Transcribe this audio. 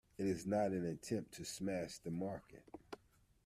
It is not an attempt to smash the market.